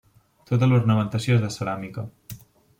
Tota l'ornamentació és ceràmica.